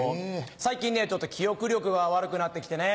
最近記憶力が悪くなって来てね。